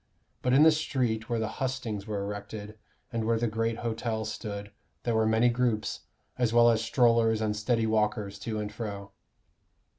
But in the street where the hustings were erected, and where the great hotels stood, there were many groups, as well as strollers and steady walkers to and fro.